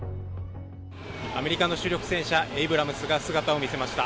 アメリカの主力戦車エイブラムスが姿を見せました。